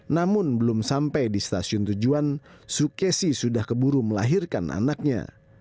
namun belum sampai di stasiun tujuan sukesi sudah keburu melahirkan anaknya